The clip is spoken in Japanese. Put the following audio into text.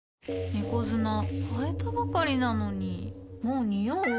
猫砂替えたばかりなのにもうニオう？